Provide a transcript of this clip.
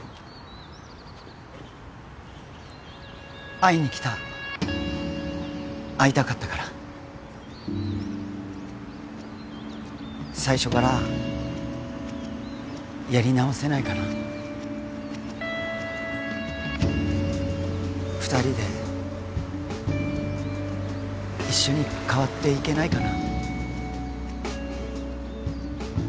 会いに来た会いたかったから最初からやり直せないかな二人で一緒に変わっていけないかな